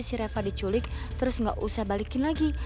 si reva diculik terus nggak usah balikin lagi